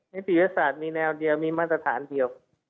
นิติวิทยาศาสตร์มีแนวเดียวมีมาตรฐานเดียว